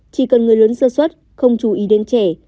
chỉ cần người lớn sơ xuất không chú ý đến trẻ